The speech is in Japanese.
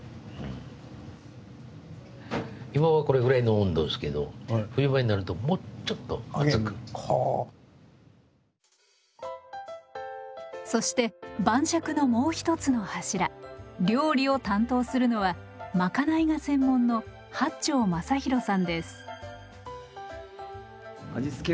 今はこれぐらいの温度ですけどそして晩酌のもう一つの柱料理を担当するのは賄いが専門の八町昌洋さんです。